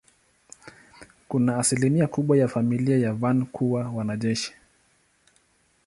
Kuna asilimia kubwa ya familia ya Van kuwa wanajeshi.